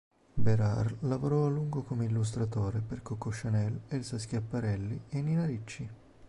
Bérard lavorò a lungo, come illustratore, per Coco Chanel, Elsa Schiaparelli, e Nina Ricci.